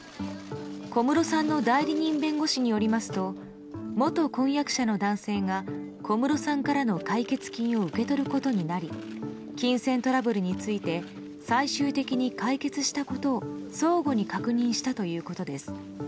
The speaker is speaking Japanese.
小室さんの代理人弁護士によりますと元婚約者の男性が小室さんからの解決金を受け取ることになり金銭トラブルについて最終的に解決したことを相互に確認したということです。